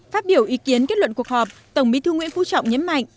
phát biểu ý kiến kết luận cuộc họp tổng bí thư nguyễn phú trọng nhấn mạnh